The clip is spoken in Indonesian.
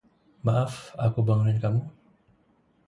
Maaf, aku bangunin kamu?